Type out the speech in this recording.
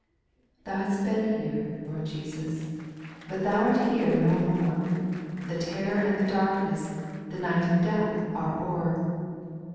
8. Thou hast been here, Lord Jesus, But Thou art here no more ; The terror and the darkness. The night of death are o'er.